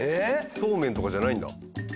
そうめんとかじゃないんだ。